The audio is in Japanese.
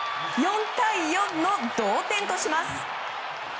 ４対４の同点とします。